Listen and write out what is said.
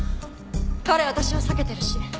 彼私を避けてるし。